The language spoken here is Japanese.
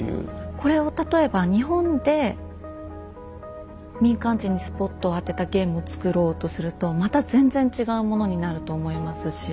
これを例えば日本で民間人にスポットを当てたゲームをつくろうとすると全然違うものになると思いますし。